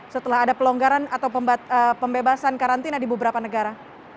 setelah ada pelonggaran atau pembebasan karantina di beberapa negara